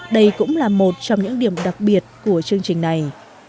đây cũng là một trong những điểm đặc biệt của chương trình này